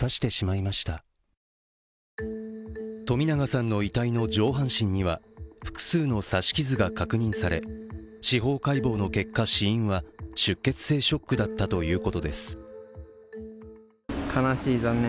冨永さんの遺体の上半身には複数の刺し傷が確認され司法解剖の結果、死因は出血性ショックだったということです。